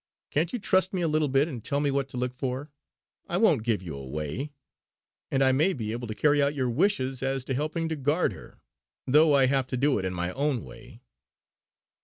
Can't you trust me a little bit and tell me what to look for. I won't give you away; and I may be able to carry out your wishes as to helping to guard her, though I have to do it in my own way."